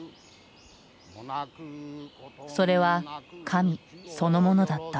それは神そのものだった。